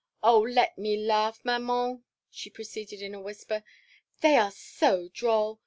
"Oh, let me laugh, Maman!" She proceeded in a whisper, "They are so droll!